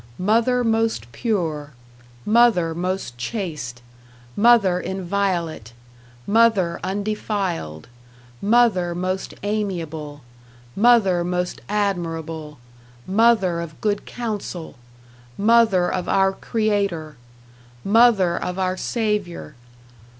Mother most pure. Mother most chaste. Mother inviolate. Mother undefiled. Mother most amiable. Mother most admirable. Mother of good counsel. Mother of our Creator. Mother of our Savior.